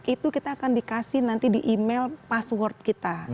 itu kita akan dikasih nanti di email password kita